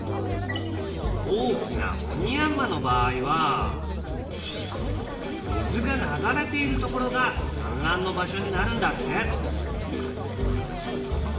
大きなオニヤンマの場合は水が流れているところが産卵の場所になるんだって。